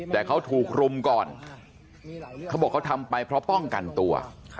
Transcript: แต่เขาถูกรุมก่อนเขาบอกเขาทำไปเพราะป้องกันตัว